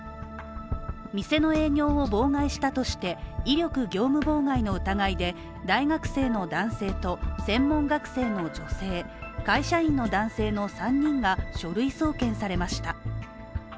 店の営業を妨害したとして威力業務妨害の疑いで大学生の男性と専門学生の女性、会社員の男性の３人が書類送検されました。